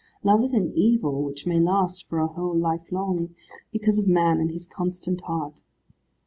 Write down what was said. Love is an evil which may last for a whole life long, because of man and his constant heart.